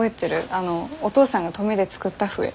あのお父さんが登米で作った笛。